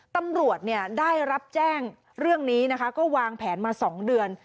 ตำรวจได้รับแจ้งเรื่องนี้นะคะก็วางแผนมา๒เดือน